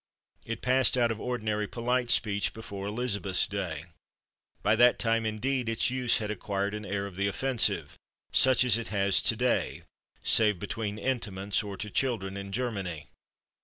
It passed out of ordinary polite speech before Elizabeth's day. By that time, indeed, its use had acquired an air of the offensive, such as it has today, save between intimates or to children, in Germany.